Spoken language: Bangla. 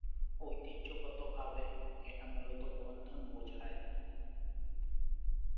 ঐতিহ্যগতভাবে, এটা মূলত বন্ধন বোঝায়।